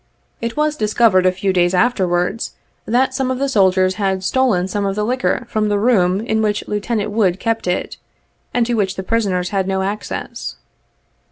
It was discovered a few days afterwards, that some of the soldiers had stolen some of our liquor from the room in which Lieutenant Wood kept it, and to which the prisoners had no access.